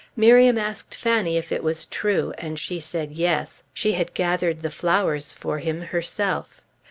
Miriam asked Fanny if it was true, and she said yes; she had gathered the flowers for him herself.